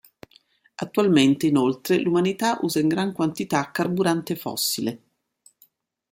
Attualmente inoltre l'umanità usa in gran quantità carburante fossile.